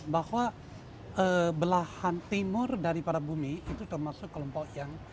bahwa belahan timur daripada bumi itu termasuk kelompok yang